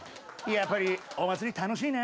やっぱりお祭り楽しいな！